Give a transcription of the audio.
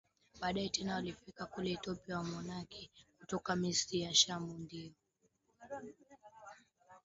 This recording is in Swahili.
Baadaye tena kule Ethiopia walifika wamonaki kutoka Misri na Shamu Ndio